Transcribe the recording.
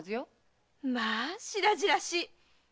まあ白々しい！